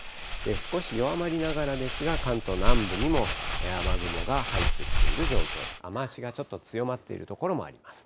少し弱まりながらですが、関東南部にも雨雲が入ってきている状況で、雨足がちょっと強まっている所もあります。